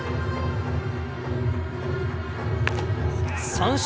三振。